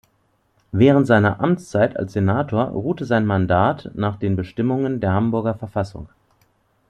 Während seiner Amtszeit als Senator ruhte sein Mandat nach den Bestimmungen der Hamburger Verfassung.